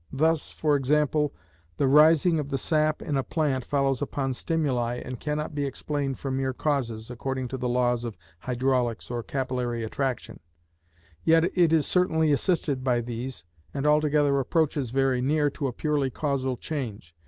Thus, for example, the rising of the sap in a plant follows upon stimuli, and cannot be explained from mere causes, according to the laws of hydraulics or capillary attraction; yet it is certainly assisted by these, and altogether approaches very near to a purely causal change.